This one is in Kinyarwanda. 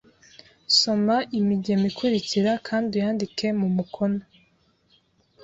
Soma imigemo ikurikira kandi uyandike mu mukono.